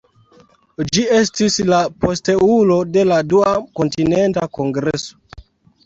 Ĝi estis la posteulo de la Dua Kontinenta Kongreso.